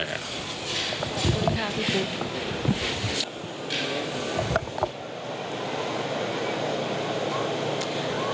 ขอบคุณค่ะพี่ตุ๊ก